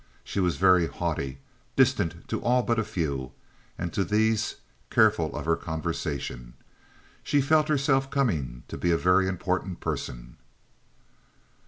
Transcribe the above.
She was very haughty, distant to all but a few, and to these careful of her conversation. She felt herself coming to be a very important person.